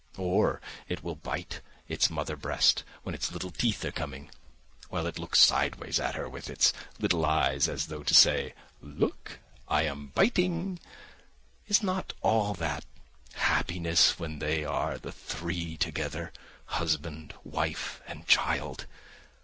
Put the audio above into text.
Or it will bite its mother's breast when its little teeth are coming, while it looks sideways at her with its little eyes as though to say, 'Look, I am biting!' Is not all that happiness when they are the three together, husband, wife and child?